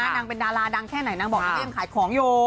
นางเป็นดาราดังแค่ไหนนางบอกนางก็ยังขายของอยู่